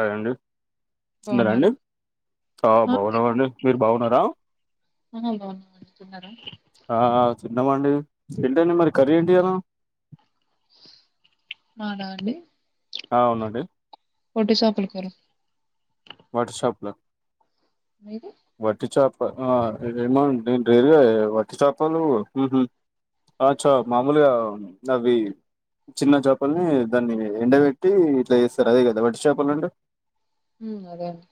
Hi అండి తిన్నారా బాగున్నారా అండి ఆ బాగున్నమండి మీరు బాగున్నారా ఆ బాగున్నానండి తిన్నారా ఆ తిన్నామండి ఏంటండి మరి కర్రీ ఏంటి అలా అవునా అండీ ఆ అవునండి ఒట్టి చాపల కూర వాట్సప్ల హలో వట్టి చేప అ హ ఏమడి నేను వట్టి చాపలు హాహా ఆ చ్చ మామూలుగా అవి చిన్న చాపల్ని దాన్ని ఎండబెట్టి ఇట్లా చేస్తారు అదే కదా వట్టి చాపలండి ఉ అదే అండీ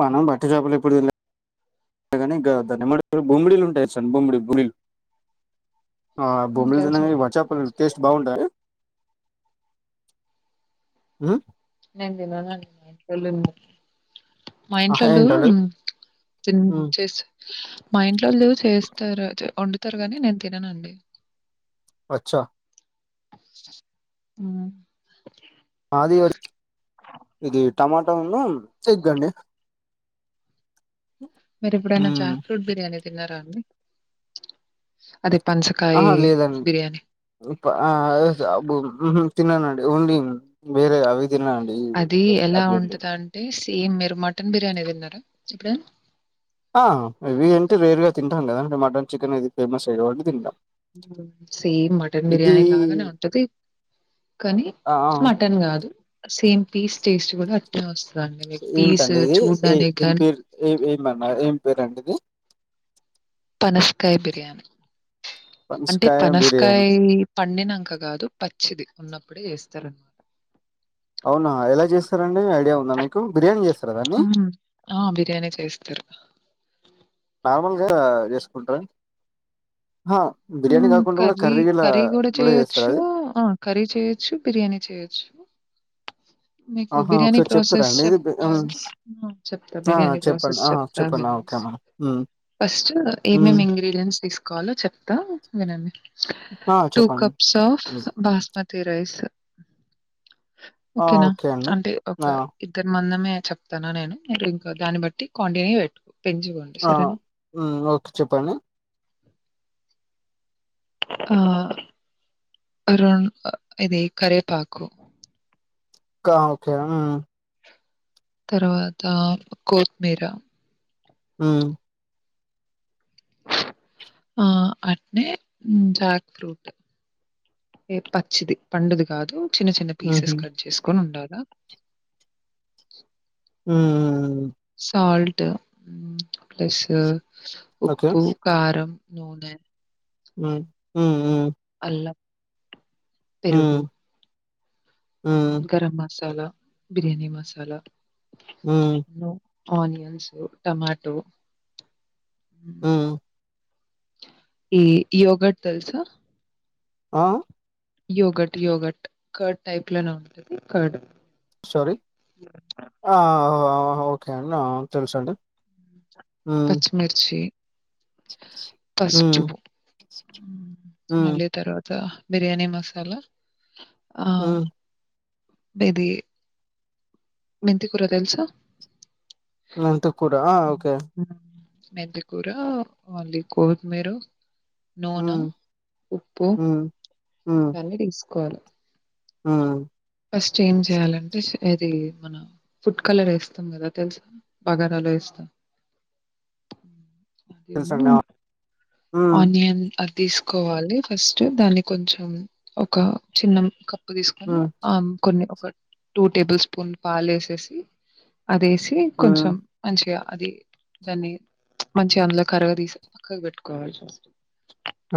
మనం వట్టి చాపలు ఎప్పుడు తినలే కానీ బూమిడిలు ఉంట చేచ్చన్ బూమ్మిడి బులీల్ ఆ ఉమ్ బొమ్మలు తెలుసండి తినంగావట్టి చాపలు టేస్ట్ బాగుంటయా ఆ్మ్ నేను తిననండి మా ఆహా ఇంట్లోళ్ళు ఏంటండి ఉ మా ఇంట్లో వంటలు చేస్తారు వండుతారు గాని నేను తిననండి అచ్చా అ మాది ఇది టమాటాను ఎగ్ అండి మీరు ఎప్పుడైనా జాక్ ఫ్రూట్ బిర్యానీ తిన్నారా అండి అది పంచకాయ ఆహా లేదండి బిర్యానీ తిననండి ఓన్లీ బీర అవి తిన్నానండి అది ఎలా అవి ఉంటందంటే సేమ్ మీరు మటన్ బిర్యానీ తిన్నారా ఎప్పుడనా ఆ ఇవి అంటే రేరు గా తింటాం కద అండి మటన్ చికెన్ అది ఫేమస్ అయ్యే వాళ్ళు తింటాం సేమ్ మటన్ ఇది బిర్యానీ లాగానే ఉంటది కానీ ఆ ఆ మటన్ కాదు సేమ్ పీస్ టేస్ట్ కూడా అట్లా వస్తుంది ఏంటండి ఇది ఏ దీని పేరు ఏ ఏమన్న ఏం పేరండి ఇది పనస్కాయ బిర్యానీ అంటే పనసకాయ పనస్కాయ బిర్యానీ పండినంక కాదు ప మంచిది ఉన్నప్పుడే చేస్తారనమాట అవునా ఎలా చేస్తారండి ఐడియా ఉందా మీకు బిర్యానీ చేస్తారా దాన్ని మ్మ్ ఆ బిర్యానే చేస్తారు నార్మల్గా చేసుకుంటార అ కర్రీ కర్రీ కూడా చేస్తారా అది చేయొచ్చు ఆ కర్రీ చేయచ్చు, బిర్యానీ చేయచ్చు ఆహా ఒకసారి చెప్తారా ప్రాసెస్ అండీ ఇది చెప్పాలి ఆ! చెప్తా ఆ బిర్యానీ చెప్పండి ప్రాసెస్ ఆ చెప్తా చెప్పండి ఓకే వినండి ఆ ఉమ్ ఫస్ట్ ఏమేమి ఇంగ్రీడియంట్స్ తీసుకో కాల్ లొ చెప్తా వినండి ఆ టూ చెప్పండి కప్స్ ఆఫ్ ఉమ్, బాస్మతి తి రైస్ ఆ ఓకేనా ఓకే అండి అంటే ఒక ఆ ఇద్దరు మంది చెప్తానా నేను ఇంకా దాన్ని బట్టి కంటిన్యూ పెట్టు పెంచుకోండి ఆ సరేనా? హ్మ్ ఓకే చెప్పండి ఆ ర ఇది కరేపాకు గా ఓకే హ్మ హ్మ తర్వాత కోత్మీర హ్మ ఆ అట్నే జాక్ ఫ్రూట్ ఏ పచ్చిది పండుది కాదు చిన్న చిన్న హుహు పీసెస్ కట్ చేసుకొని ఉండాలా హ్మ్మ్ సాల్ట్ హుమ్ ప్లస్ ఓకే ఉప్పు కారం నూనె హ్మ హ్మ హ్మ్, హ్మ అల్లం, పెరుగు మ్ హ్మ్ గరం మసాలా బిర్యాణి మసాలా ఊమ్ ఆనియన్సు టమాటో ఊ హ్మ్. ఈ యోగర్ట్ తెల్సా ఆ యోగట్ యోగట్ కడ్ టైప్ లోనే ఉంటది కడ్ సోరి ఆ ఆ ఓకే అండి తెలుసండి హ్మ్ పచ్చిమిర్చి హ్మ్ పసుపు హ్మ్ మళ్ళీ తర్వాత బిర్యానీ మసాలా హ్మ ఆహ్, ఇది మెంతికూర తెల్సా మెంతి కూరా ఆ ఓకే మెంతికూర మళ్లీ కోత్మీరు నూనె హ్మ్ ఉప్పు హ్మ్ హ్మ్ ఇవన్నీ తీస్ కోవాలి హ్మ్ ఫస్ట్ ఏం చేయాలంటే ఇది మన ఫుడ్ కలర్ వేస్తాం కదా తెలుసా బగారాలో వేస్తాం అవిను తెలుసండి ఆ హ్మ్ ఆనియన్ అది తీసుకోవాలి ఫస్ట్ దాన్ని కొంచెం ఒక చిన్న ముక్క ఉప్పు తీసుకొని హ్మ్ ఆ కొన్ని ఒక టూ టేబుల్ స్పూన్ పాలు ఏసేసి అదేసి హ్మ్ కొంచెం మంచిగా అది దాన్ని మంచిగా అందులో కరగ తీసి పక్కకు పెట్టుకోవాలి ఫస్ట్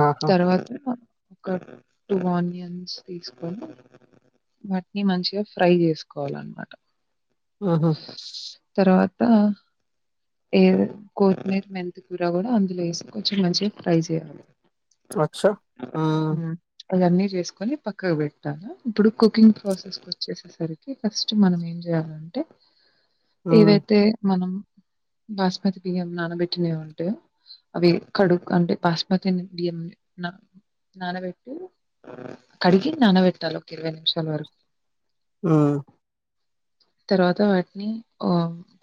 ఆహా! తరువాత ఒక టూ ఆనియన్స్ తీసుకొని వాటిని మంచిగా ఫ్రై చేసుకోవాలన్నమాట హు హు తర్వాత ఈ కోతిమీర్ మెంతికూర కూడా అందులో ఏస్ కొంచెం మంచిగా ఫ్రై చేయాలి అచ్చా ఊ హ్మ్. అవన్నీ చేసుకొని పక్కకు పెట్టాల ఇప్పుడు కుకింగ్ ప్రాసెస్ కొచ్చేసేసరికి ఫస్ట్ మనం ఏం చేయాలంటే హ్మ్. ఏవైతే మనం బాస్మతి బియ్యం నానబెట్టినైవి ఉంటాయో అవి కడూక అంటే బస్మతిని బియ్యంని నా నానబెట్టి కడిగి నానబెట్టాలి ఒక ఇరవై నిమిషాల వరకు హ్మ తర్వాత వాటిని ఆ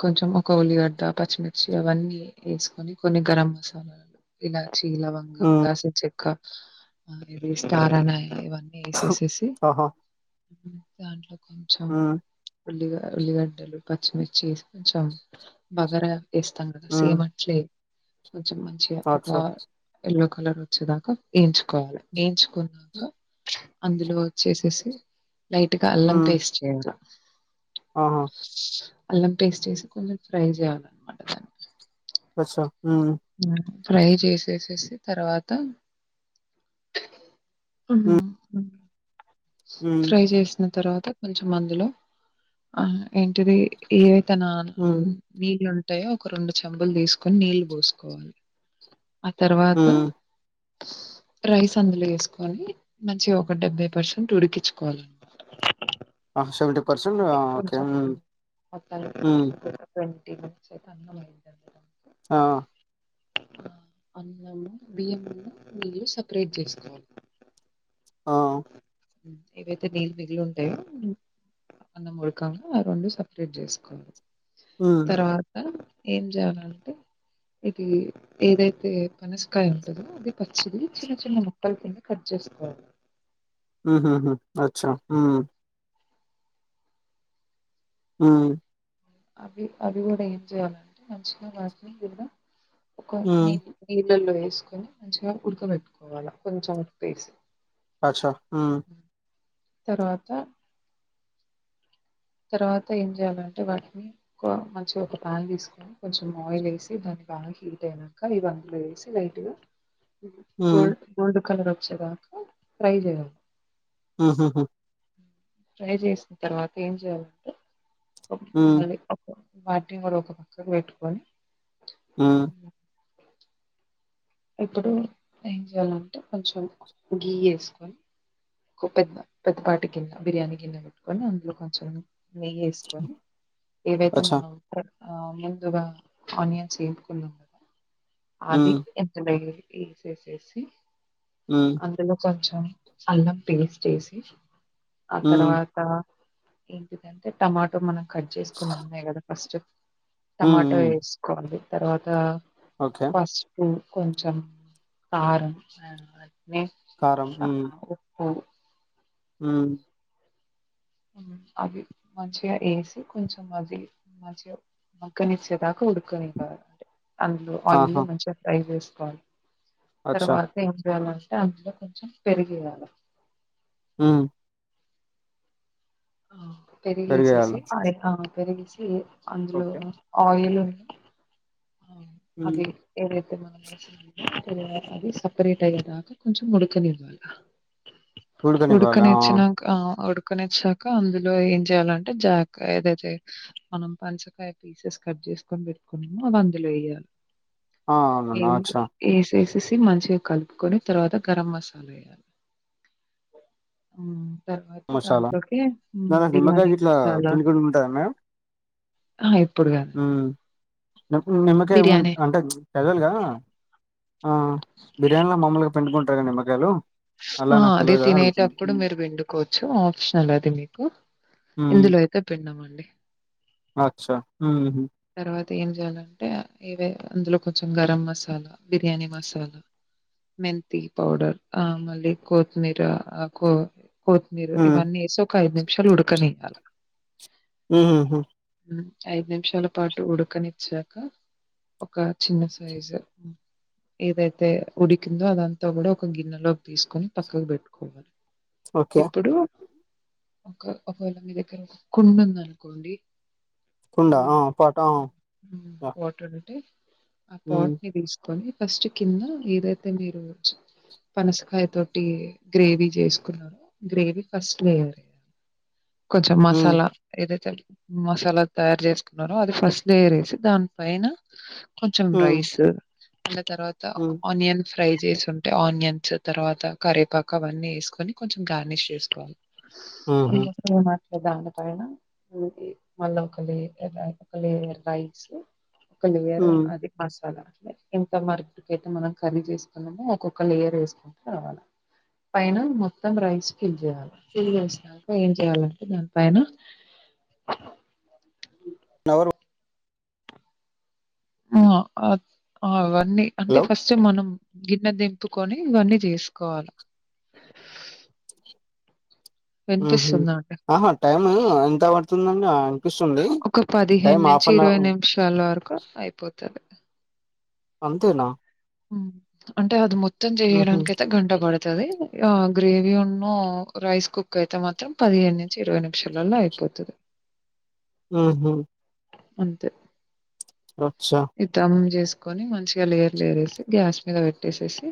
కొంచెం ఒక ఉల్లిగడ్డ పచ్చిమిర్చి అవన్నీ ఎసుకొని కొన్ని గరం మసాల ఇలా చి లవంగం హ్మ్. దాల్చీన చెక్క ఇది స్టార్ అని ఇవన్ ఎసేసేసి ఆహా! దాంట్లో కొంచెం హ్మ్. ఉల్లిగా ఉల్లిగడ్డలు పచ్చిమిర్చి ఎస్ కొంచెం బగరా ఎస్తాం కదా హ్మ్. సేమ్ అట్లే కొంచెం మంచిగా ఒక అచ్చా! ఎల్లు కలర్ వచ్చేదాకా ఎయించుకోవాలి ఎయిచుకున్నాక అందులో వచ్చేసేసేసి లైట్గా అల్లం హ్మ్. పేస్ట్ వేయండి ఆహా అల్లం పేస్ట్ వేసి కొంచెం ఫ్రై జేయాలనమాట అచ్చా హ్మ్. ఫ్రై చేసేసేసి తర్వాత హ్మ్ హ్మ్. ఫ్రై చేసిన తర్వాత కొంచెం అందులో ఆ ఏంటిది ఏ తన హ్మ్. నీళ్ళు ఉంటాయ్ ఒక రెండు చంబులు తీసుకొని నీళ్ళు బోసుకోవాలి ఆ తర్వాత హ్మ్. రైస్ అందులో వేసుకొని మంచి ఒక డెబ్బై పర్సెంట్ ఉడికించుకోవాలి ఆ! ఆ! ఓకే. కొంచెం హ్మ్. మొత్తనికి హ్మ్. ఉడికిపోయింది ఈ ముంచి అన్నం అయిందంట ఆ అన్నము బియ్యము నీళ్లు సెపరేట్ చేసుకోవాలి ఆ ఏవైతే నీళ్ళు మిగిలి ఉంటాయో అన్న ముడకంగా ఆ రెండు సపరేట్ జేసుకోవాలి హ్మ్. తర్వాత ఏం చేయాలంటే ఇది ఏదైతే పనసకాయ ఉంటందో అది పచ్చిది చిన్న చిన్న ముక్కలు కింద కట్ చే సుకోవాలి ఆహాహ అచ్చా ఆ ఆ అవి అవి కూడా ఏం చేయాలంటే మంచిగా వాటికి గూడా ఒక హ్మ్. నీళ్ళు నీల్ నీళ్లల్లో ఎసుకొని మంచిగా ఉడకబెట్టుకోవాలి కొంచెం ఉప్పు ఏసి అచ్చా మ్మ్ తర్వాత తర్వాత ఏం చేయాలంటే వాటిని కువ మంచి గా ఒక ప్యాన్ తీసుకొని కొంచెం ఆయిల్ వేసి దాన్ని బా హీట్ అయినాక ఇవి అందులో వేసి లైట్గా హ్మ్. గోల్డ్ గోల్డ్ కలర్ వచ్చేదాక ఫ్రై జేయాలి మ్మ్ హు హు ఫ్రై జేసిన తర్వాత ఏం చేయాలంటే హ్మ్. మళ్ళీ వాటిని మరొక పక్కకు పెట్టుకొని మ్మ్ హ్మ్. ఇప్పుడు ఏం చెయాలంటే కొంచెం గీ ఎసుకొని పెద్ద పెద్ద పాటి గిన్నె బిర్యానీ గిన్నె పెట్టుకొని అందులో కొంచెం నెయ్యి ఎసుకొని ఏవైతే అచ్చా! మనం ఆ ముందుగా ఆనియన్స్ ఎయించుకున్నం కదా అది హ్మ్. ఇందులో ఎయ్యలి ఎసేసేసి హ్మ్. అందులో కొంచెం అల్లం పేస్ట్ ఎసి ఆ హ్మ్. తర్వాత ఏంటిదంటే టమాటో మనం కట్ చేసుకున్ ఉన్నాయి కదా ఫస్ట్ హ్మ్. టమాటా హ్మ్. వేసుకోవాలి తర్వాత ఓకే. పసుపు కొంచెం కారం అ కారం. ఆ హ్మ్. ఉప్పు హ్మ్ అది మంచిగా వేసి కొంచం అది మంచిగా మగ్గనెచేదాకా ఉడుకునియా అందు ఆయిల్ ఆహా! మంచిగా ఫ్రై చేసుకోవాలి అచ్చా! తర్వాత ఏం చేయాల అందులో కొంచెం పెరిగు వేయాలే మ్మ్ ఆ పెరిగేయాల పెరిగేసేసి ఆ పెరిగేసి అందులో ఓకే ఆయిల్ ఉమ్ అది ఏ అది సెపరేట్ అయ్యేదాకా కొంచెం వుడకనివల్ల ఉడకనివ్వాలి ఆ ఉడుకునీచ్చినాకా పక్కనిచ్చాక అందులో ఏం చెయాలంటే జాకా ఏదైతే మనం పంచకాయ పీసెస్ కట్ చేసుకొని పెట్టుకున్నాము అది అందులో వేయాలి ఆ అవును నా అచ్చా చేసేసి మంచిగా కలుపుకొని తర్వాత గరం మసాలా వేయాలి మ్మ్ తర్వాత మసాలా దాంట్లోకి దాంట్లో నిమ్మకాయ బిర్యానీ గిట్లా మసాలా పిండుకుంటూ ఆయి హ్మ్ నిమ్మకే ఉంట బిర్యానీ అంటే క్యాజువల్ గా బిర్యానీలో మామ్మూలుగా పండుకుంటారు కదా నిమ్మకాయలు అలా ఆ నాకు అదే తెలవదు కదా అడుగుతుంది తినేటప్పుడు మీరు పిండుకోవచ్చు ఆప్షనల్ అది మీకు ఉమ్ ఇందులోయక పిండం అండి అచ్చా మ్మ్ హ్మ్ అ ఏం చేయాలంటే ఇవే అందులో కొంచెం గరం మసాలా బిర్యానీ మసాలా మెంతి పౌడర్ ఆ మళ కొత్తిమీర ఆకు కోత్మీరు ఉమ్ ఇవన్నీ వేస ఒక ఐదు నిమిషాలు ఉుడుకనే ఇయ్యాల ఉహుహు ఐదు నిమిషాల పాటు ఉడకనిచ్చాక ఒక చిన్న సైజు ఏదైతే ఉడికిందో అదంతా కూడా ఒక గిన్నె లోకి తీసుకొని పక్కకు పెట్టుకోవాలి ఓకే ఇప్పుడు ఒక అల మీ దగ్గర కుండా ఉంది అనుకోండి కుండ ఆ పాట ఆ యా పోటడింట ఆ ఉమ్ పాట్ ని తీసుకొని ఫస్ట్ కింద ఏదైతే మీరు పనసకాయ తోటి గ్రేవీ చేసుకున్నారు గ్రేవీ ఫస్ట్ వేయాలీ కొంచెం ఉమ్ మసాలా ఏదైతే మసాలా తయారు చేసుకున్నారు అది ఫస్ట్లు వసి దాని పైన కొంచెం ఉమ్ రైస్ ఇం తర్వాత ఉమ్ ఆనియన్ ఫ్రై చేసింటే ఆనియన్ తర్వా కరేపాక అవన్నీ వేసుకని కొంచెం గార్నిష్ చేసుకోవాలి ఉహు ప్ర దాన పైన మళ్ళా ఒక లేయర్ ఒక లేయర్ రైస్ కొెం వేరు ఉమ్ అది మసాలా ఎంత మార్కుడికయితే మనం కర్రీ చేసుకున్నామో ఒక్కొక్క లేయర్ వేసుకుంటూ రావాలి పైన మొత్తం రైస్ ఫిల్ చేయాలి ఫిల్ చేసినాక ఏం చేయాలంటే దాని పైన నవరు అవన్నీ అంటే హలో ఫస్ట్ మనం గిన్నె దింపుకొని ఇవన్నీ చేసుకోవాలి ఆహ ఆహా టైమ్ ఎంత పడుతుందండి అనిపిస్తుంది ఒక పదిహేను టైమ్ హాఫ్ నుంచి అన్ అవర్ ఇరవై నిమిషాల వరకు అయిపోతుంది అంతే నా అంటే అది మొత్తం ఉహు చేయడానికి అయితే గంట పడుతుది ఆ గ్రేవీ ఉన్ను రైస్ కుక్ అయితే మాత్రం పదిహేను నుంచి ఇరవై నిమిషాలలో అయిపోతుది ఉహు అంతే అచ్చా ఇది దమ్ చేసుకొని మంచిగా లేయర్ లేయర్ వస్తది గ్యాస్ మీద పెట్ ట్టేసేసి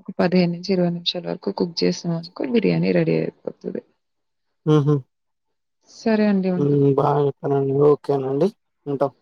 ఒక పదిహేను ఇరవై నిమిషాల వరకు కుక్ చేసాం అనుకో బిర్యానీ రెడీ అయిపోతది ఉహు సరే అండి. ఉంటా. బాగా చెప్పారండి ఓకేనండి ఉంటాం